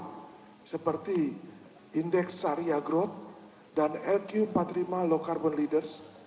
peluncuran indeks barang baru seperti indeks sariagroth dan lq empat puluh lima low carbon leaders